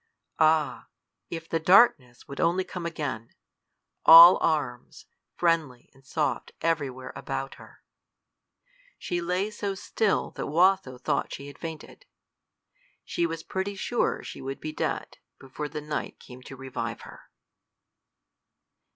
Ah, if the darkness would only come again, all arms, friendly and soft everywhere about her! She lay so still that Watho thought she had fainted. She was pretty sure she would be dead before the night came to revive her.